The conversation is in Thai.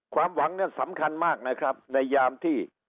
ความหวังเนี่ยสำคัญมากนะครับในยามที่